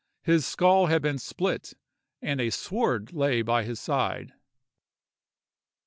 His skull had been split, and a sword lay by his side!